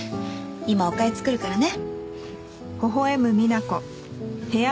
今お粥作るからね。